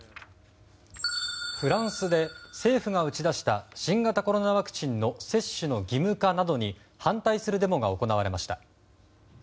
フランスで政府が打ち出した新型コロナワクチンの接種の義務化などに反対するデモが行われました。